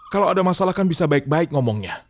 kalau ada masalah kan bisa baik baik ngomongnya